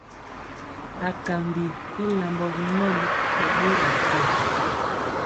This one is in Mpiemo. Akambi i lambɔ binɔn, ɓɛ ɓorɔɔ te.